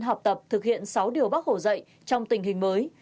học tập thực hiện sáu điều bác hồ dạy trong tình hình mới